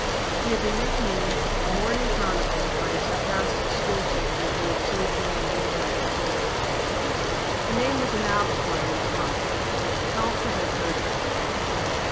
He had been nicknamed "The Morning Chronicle" by a sarcastic schoolteacher who had sojourned a winter at the Corner. The name was an apt one and clung. Telford had heard it.